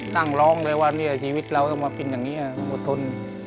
นั่งร้องเลยว่าเนี่ยชีวิตเราก็มาเป็นอย่างนี้ต้องทน